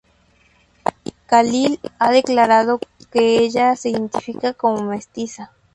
Khalil ha declarado que ella se identifica como mestiza.